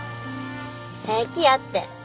平気やって。